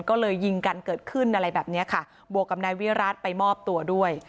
ก็เลยยิงกันเกิดขึ้นอะไรแบบเนี้ยค่ะบวกกับนายวิรัติไปมอบตัวด้วย